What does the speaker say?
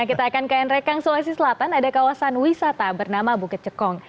kita akan ke nrekang sulawesi selatan ada kawasan wisata bernama bukit cekong